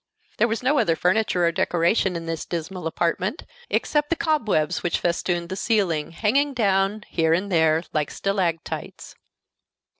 There was no other furniture or decoration in this dismal apartment, except the cobwebs which festooned the ceiling, hanging down here and there like stalactites.